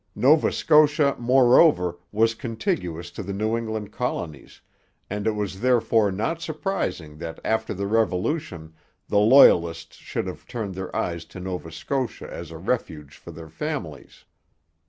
Nova Scotia, moreover, was contiguous to the New England colonies, and it was therefore not surprising that after the Revolution the Loyalists should have turned their eyes to Nova Scotia as a refuge for their families.